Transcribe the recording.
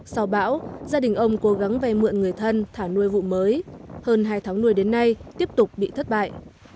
sau bão gia đình ông cố gắng vay mượn người thân thả nuôi vụ mới hơn hai tháng nuôi đến nay tiếp tục bị thất bại